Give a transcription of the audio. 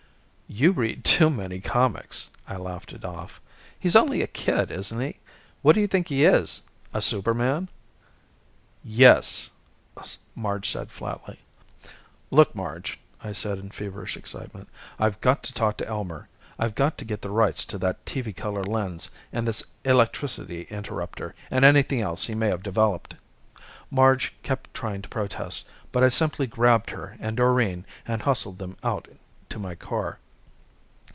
"You read too many comics," I laughed it off. "He's only a kid, isn't he? What do you think he is? A superman?" "Yes," Marge said flatly. "Look, Marge!" I said in feverish excitement. "I've got to talk to Elmer! I've got to get the rights to that TV color lens and this electricity interruptor and anything else he may have developed!" Marge kept trying to protest, but I simply grabbed her and Doreen and hustled them out to my car.